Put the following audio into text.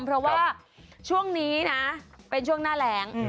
เพราะว่าช่วงนี้นะเป็นช่วงหน้าแรง